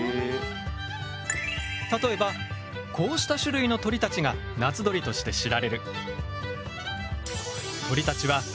例えばこうした種類の鳥たちが夏鳥として知られる。